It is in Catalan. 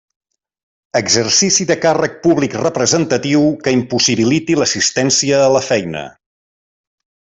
Exercici de càrrec públic representatiu que impossibiliti l'assistència a la feina.